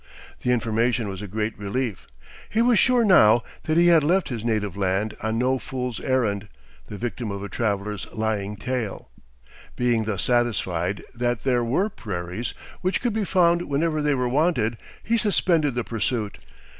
The information was a great relief. He was sure now that he had left his native land on no fool's errand, the victim of a traveler's lying tale. Being thus satisfied that there were prairies which could be found whenever they were wanted, he suspended the pursuit.